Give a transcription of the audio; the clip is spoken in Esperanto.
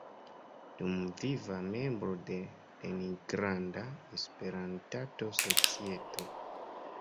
Dumviva membro de Leningrada Espertanto-Societo.